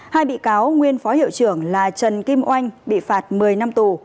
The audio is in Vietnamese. hai bị cáo nguyên phó hiệu trưởng là trần kim oanh bị phạt một mươi năm tù